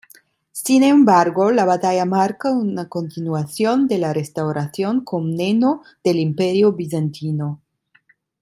Sin embargo, la batalla marca una continuación de la restauración Comneno del Imperio Bizantino.